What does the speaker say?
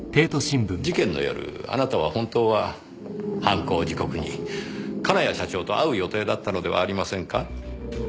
事件の夜あなたは本当は犯行時刻に金谷社長と会う予定だったのではありませんか？